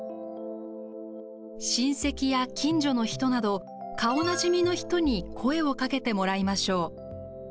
親戚や近所の人など、顔なじみの人に声をかけてもらいましょう。